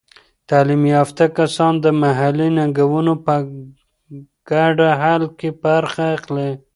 تعلیم یافته کسان د محلي ننګونو په ګډه حل کې برخه اخلي.